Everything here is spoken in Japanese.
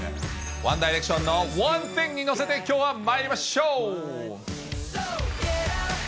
ワンダイレクションのワン・シングに乗せてきょうはまいりましょう。